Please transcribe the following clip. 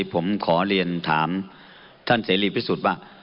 ผมขอเรียนถามท่านเสรีพิสุทธิ์ว่า